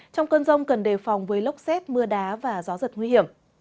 trong cơn rông cần đề phòng với lốc xét mưa đá và gió giật nguy hiểm